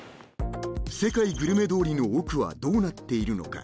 世界グルメ通りの奥はどうなっているのか？